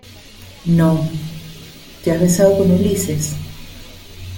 no. ¿ te has besado con Ulises?